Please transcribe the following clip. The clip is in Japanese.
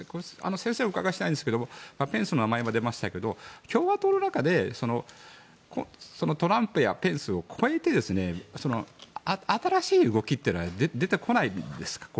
先生にお伺いしたいんですけどペンスの名前も出ましたけど共和党の中でトランプやペンスを超えて新しい動きって出てこないものですか？